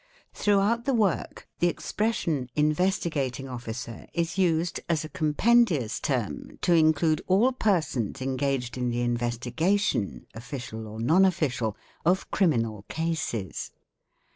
Throughout the work the — expression "Investigating Officer" is used as a compendious term to include all persons engaged in the investigation, official or non official, of INTRODUCTION XXVIII criminal cases.